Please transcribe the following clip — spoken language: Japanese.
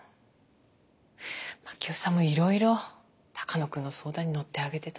真樹夫さんもいろいろ鷹野君の相談に乗ってあげてたみたい。